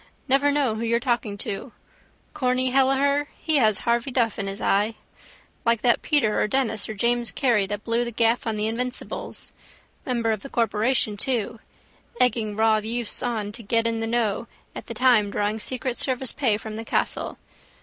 Never know who you're talking to. Corny Kelleher he has Harvey Duff in his eye. Like that Peter or Denis or James Carey that blew the gaff on the invincibles. Member of the corporation too. Egging raw youths on to get in the know all the time drawing secret service pay from the castle.